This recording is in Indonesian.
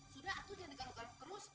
sudah atu jangan digalop galop terus